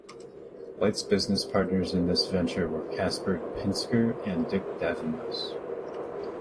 Light's business partners in this venture were Casper Pinsker and Dick Davemos.